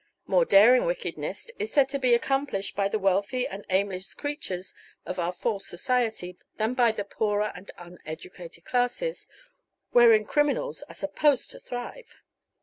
More daring wickedness is said to be accomplished by the wealthy and aimless creatures of our false society than by the poorer and uneducated classes, wherein criminals are supposed to thrive.